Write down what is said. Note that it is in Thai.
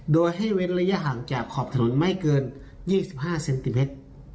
โดยให้เว้นระยะห่างจากขอบถนนไม่เกิน๒๕เซนติเมตร